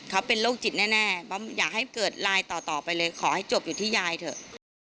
เขาเป็นโรคจิตแน่อยากให้เกิดไลน์ต่อไปเลยขอให้จบอยู่ที่ยายเถอะ